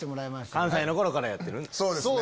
関西の頃からやってるね。